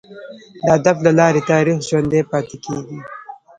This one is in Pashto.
د ادب له لاري تاریخ ژوندي پاته کیږي.